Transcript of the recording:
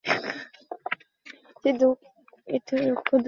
এটি দুঃখ দূর করে।